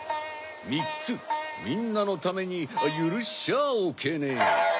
みっつみんなのためにゆるしちゃおけねえ。